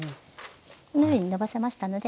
このようにのばせましたので。